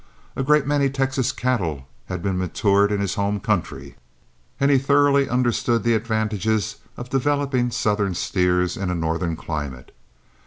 A great many Texas cattle had been matured in his home county, and he thoroughly understood the advantages of developing southern steers in a northern climate.